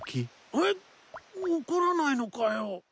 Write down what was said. えっ怒らないのかよ。